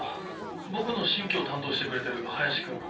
僕の新居を担当してくれてる林君。